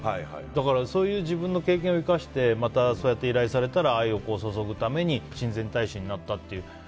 だから、そういう自分の経験を生かしてまたそうやって依頼されたら愛を注ぐために親善大使になったって。